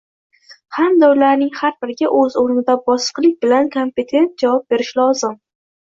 hamda ularning har biriga o‘z o‘rnida bosiqlik bilan kompetent javob berish lozim.